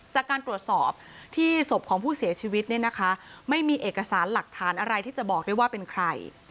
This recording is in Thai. จากการตรวจสอบที่ศพของผู้เสียชีวิตเนี่ยนะคะไม่มีเอกสารหลักฐานอะไรที่จะบอกได้ว่าเป็นใคร